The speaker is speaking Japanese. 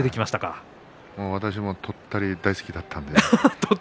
私もとったり大好きだったんで。